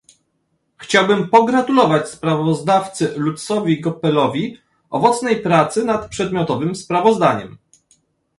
Chciałabym pogratulować sprawozdawcy Lutzowi Goepelowi owocnej pracy nad przedmiotowym sprawozdaniem